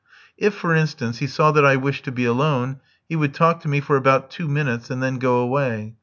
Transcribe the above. If, for instance, he saw that I wished to be alone, he would talk to me for about two minutes and then go away.